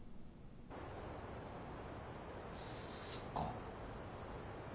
そっか。